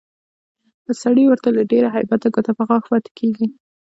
سړی ورته له ډېره هیبته ګوته په غاښ پاتې کېږي